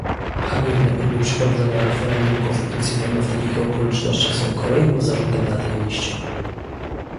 Haniebne próby przeprowadzenia referendum konstytucyjnego w takich okolicznościach są kolejnym zarzutem na tej liście